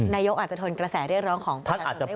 นายกอาจจะทนกระแสเรียกร้องของประชาชนได้